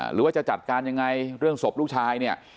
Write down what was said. หรือว่าจะจัดการยังไงเรื่องศพลูกชายเนี่ย